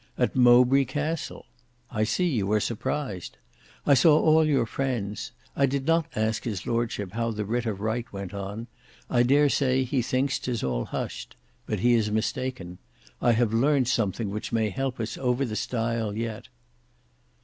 At Mowbray Castle. I see you are surprised. I saw all your friends. I did not ask his Lordship how the writ of right went on. I dare say he thinks 'tis all hushed. But he is mistaken. I have learnt something which may help us over the stile yet."